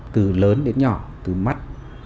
từ lớn đến nhỏ từ mắt